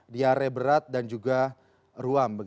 diare berat dan juga ruam